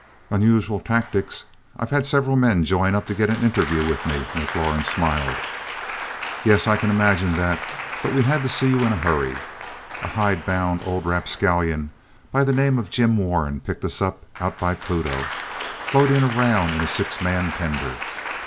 "Unusual tactics. I've had several men join up to get an interview with me." McLaurin smiled. "Yes, I can imagine that, but we had to see you in a hurry. A hidebound old rapscallion by the name of Jim Warren picked us up out by Pluto, floating around in a six man tender.